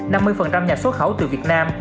năm mươi nhà xuất khẩu từ việt nam